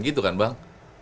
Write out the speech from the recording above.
gitu kan bang